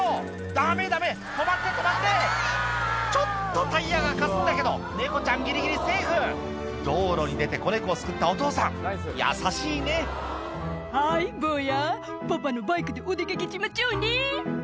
ダメダメ止まって止まってちょっとタイヤがかすったけどネコちゃんギリギリセーフ道路に出て子ネコを救ったお父さん優しいね「はい坊やパパのバイクでお出掛けちまちょうね」